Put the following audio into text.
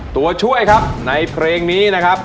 ตัวช่วยครับในเพลงนี้นะครับ